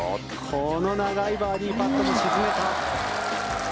この長いバーディーパットも沈めた。